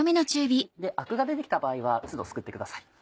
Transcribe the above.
アクが出て来た場合は都度すくってください。